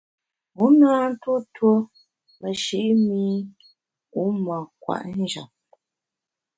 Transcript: Wu na ntuo tuo meshi’ mi wu mâ kwet njap.